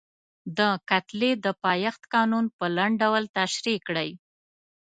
د کتلې د پایښت قانون په لنډ ډول تشریح کړئ.